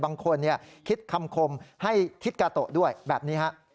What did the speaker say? บางคนคิดคำคมให้ทิศกาโตะด้วยแบบนี้ฮะ